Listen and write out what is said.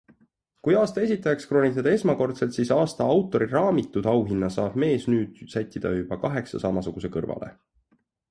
Kui aasta esitajaks krooniti ta esmakordselt, siis aasta autori raamitud auhinna saab mees nüüd sättida juba kaheksa samasuguse kõrvale.